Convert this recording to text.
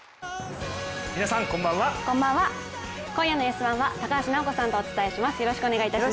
今夜の「Ｓ☆１」は高橋尚子さんとお伝えします。